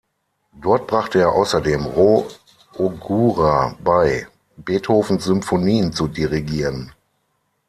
Dort brachte er außerdem Roh Ogura bei, Beethovens Symphonien zu dirigieren.